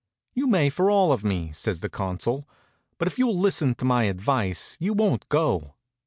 "You may for all of me," says the Consul, "but if you'll listen to my advice you won't go."